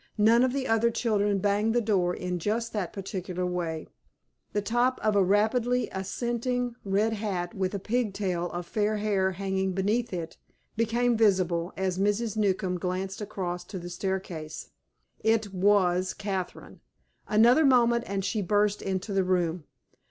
"None of the other children bang the door in just that particular way." The top of a rapidly ascending red hat, with a pigtail of fair hair hanging beneath it, became visible, as Mrs. Newcombe glanced across to the staircase. It was Catherine. Another moment, and she burst into the room.